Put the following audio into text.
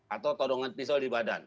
atau todongan pisau di badan